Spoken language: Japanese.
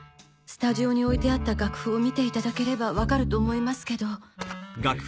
スタジオに置いてあった楽譜を見て頂ければわかると思いますけど。